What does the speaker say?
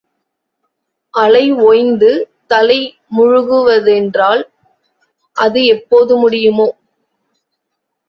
அலை ஒய்ந்து, தலை முழுகுவதென்றால் அது எப்போது முடியுமோ?